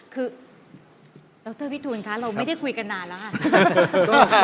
คือดรวิทูลคะเราไม่ได้คุยกันนานแล้วค่ะ